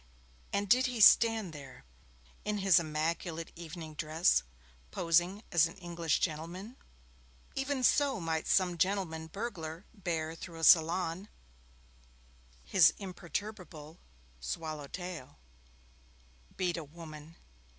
And did he stand there, in his immaculate evening dress, posing as an English gentleman? Even so might some gentleman burglar bear through a salon his imperturbable swallow tail. Beat a woman!